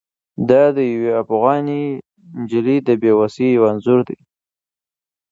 دا د یوې افغانې نجلۍ د بې وسۍ یو انځور دی.